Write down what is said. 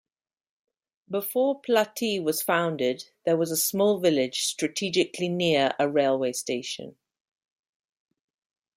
Before Platy was founded, there was a small village strategically near a railway station.